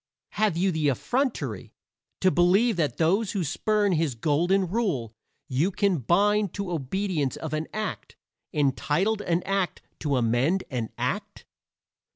Have you the effrontery to believe that those who spurn his Golden Rule you can bind to obedience of an act entitled an act to amend an act?